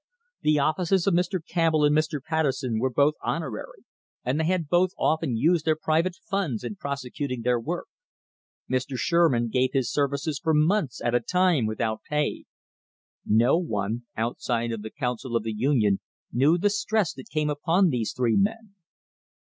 The offices of Mr. Campbell and Mr. Patterson were both honorary, and they had both often used their private funds in prosecuting their work. Mr. Sherman gave his ser vices for months at a time without pay. No one outside of the Council of the Union knew the stress that came upon these three men.